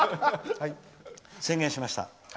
宣言しました。